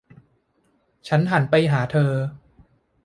ฉันหันไปหาเธอ